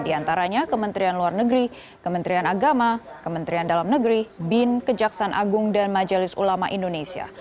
di antaranya kementerian luar negeri kementerian agama kementerian dalam negeri bin kejaksaan agung dan majelis ulama indonesia